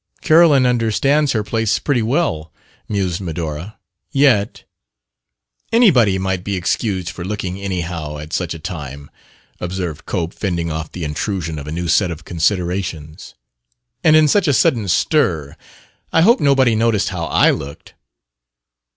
"Carolyn understands her place pretty well," mused Medora. "Yet..." "Anybody might be excused for looking anyhow, at such a time," observed Cope, fending off the intrusion of a new set of considerations; "and in such a sudden stir. I hope nobody noticed how I looked!"